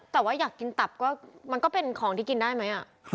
แต่ว่าอยากกินตับก็มันก็เป็นของที่กินได้ไหม